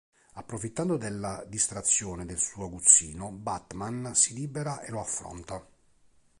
Approfittando della distrazione del suo aguzzino, Batman si libera e lo affronta.